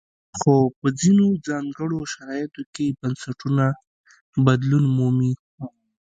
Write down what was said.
خو په ځینو ځانګړو شرایطو کې بنسټونه بدلون مومي.